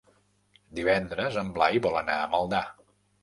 Divendres en Blai vol anar a Maldà.